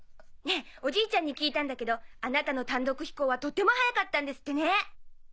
ねぇおじいちゃんに聞いたんだけどあなたの単独飛行はとても早かったんですってね。